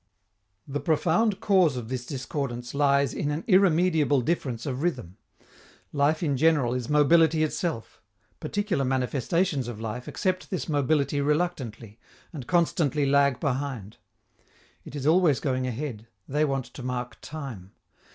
The profound cause of this discordance lies in an irremediable difference of rhythm. Life in general is mobility itself; particular manifestations of life accept this mobility reluctantly, and constantly lag behind. It is always going ahead; they want to mark time.